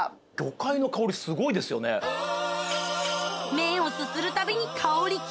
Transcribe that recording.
麺をすするたびに香り際立つ！